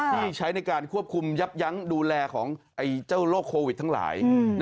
ที่ใช้ในการควบคุมยับยั้งดูแลของเจ้าโรคโควิดทั้งหลาย